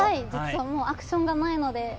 もうアクションがないので。